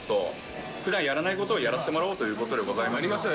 普段やらないことをやらせてもらおうということです。